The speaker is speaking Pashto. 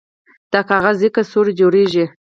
د کاغذ کڅوړې جوړیږي؟